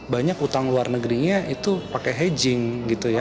banyak utang luar negerinya itu pakai hedging gitu ya